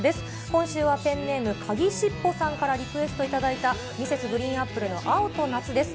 今週はペンネーム、かぎしっぽさんから頂いたリクエストいただいた、ミセスグリーンアップルの青と夏です。